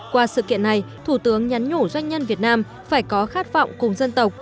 qua sự kiện này thủ tướng nhắn nhủ doanh nhân việt nam phải có khát vọng cùng dân tộc